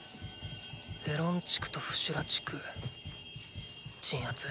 エロン地区とフシュラ地区鎮圧。